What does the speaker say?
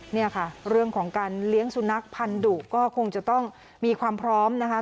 เนี่ยค่ะเรื่องของการเลี้ยงสุนัขพันธุก็คงจะต้องมีความพร้อมนะคะ